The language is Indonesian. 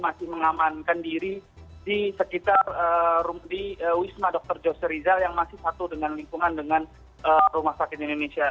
masih mengamankan diri di sekitar di wisma dr jose rizal yang masih satu dengan lingkungan dengan rumah sakit indonesia